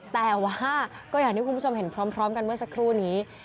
แต่ว่าก็อย่างที่คุณผู้ชมเห็นพร้อมกันเมื่อสักครู่นี้